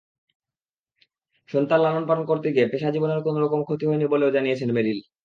সন্তান লালন-পালন করতে গিয়ে পেশাজীবনের কোনো রকম ক্ষতি হয়নি বলেও জানিয়েছেন মেরিল।